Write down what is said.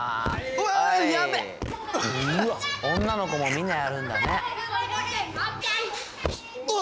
うわ女の子もみんなやるんだねうわ！